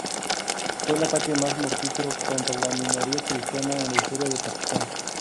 Fue el ataque más mortífero contra la minoría cristiana en la historia de Pakistán.